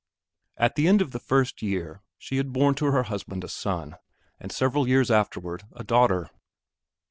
At the end of the first year, she had born to her husband a son, and several years afterward, a daughter.